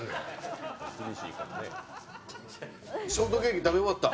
ショートケーキ食べ終わった？